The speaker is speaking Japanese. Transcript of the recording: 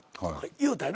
言うたよな。